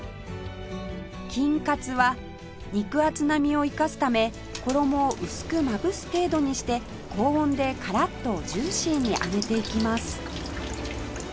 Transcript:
金カツは肉厚な身を生かすため衣を薄くまぶす程度にして高温でカラッとジューシーに揚げていきます